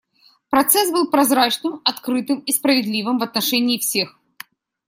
Процесс был прозрачным, открытым и справедливым в отношении всех.